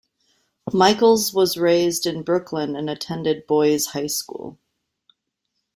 Michaels was raised in Brooklyn and attended Boys High School.